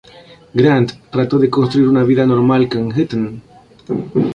Grant trató de construir una vida normal con Hutton.